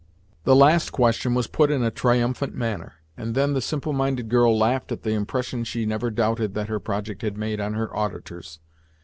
The last question was put in a triumphant manner, and then the simple minded girl laughed at the impression she never doubted that her project had made on her auditors.